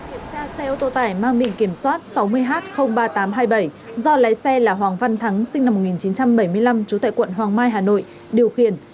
kiểm tra xe ô tô tải mang biển kiểm soát sáu mươi h ba nghìn tám trăm hai mươi bảy do lái xe là hoàng văn thắng sinh năm một nghìn chín trăm bảy mươi năm trú tại quận hoàng mai hà nội điều khiển